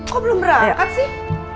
kok belum berangkat sih